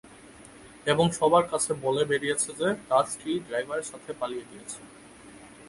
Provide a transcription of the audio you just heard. এবং সবার কাছে বলে বেড়িয়েছে যে, তার স্ত্রী ড্রাইভারের সাথে পালিয়ে গেছে।